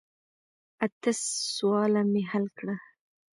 اته سواله مې حل کړه.